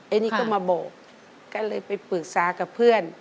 อันนี้ก็มาบอกก็เลยไปปรึกษากับเพื่อน